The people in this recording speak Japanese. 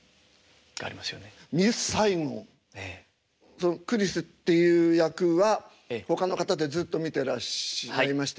そのクリスっていう役はほかの方でずっと見てらして。